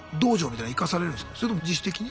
それとも自主的に？